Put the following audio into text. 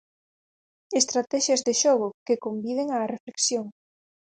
Estratexias de xogo que conviden á reflexión.